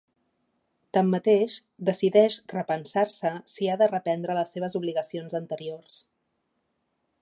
Tanmateix, decideix repensar-se si ha de reprendre les seves obligacions anteriors.